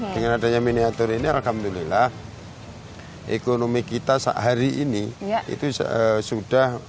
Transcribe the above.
dengan adanya miniatur ini alhamdulillah ekonomi kita sehari ini itu sudah